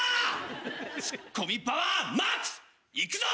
ツッコミパワーＭＡＸいくぞ！